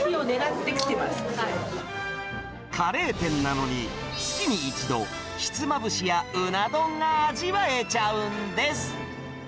カレー店なのに、月に１度、ひつまぶしやうな丼が味わえちゃうんです。